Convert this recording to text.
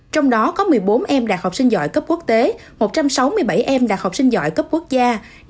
trong đó có một mươi bốn em đạt học sinh giỏi cấp quốc tế một trăm sáu mươi bảy em đạt học sinh giỏi cấp quốc gia